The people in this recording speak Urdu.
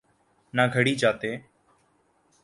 نہ گھڑی جاتیں۔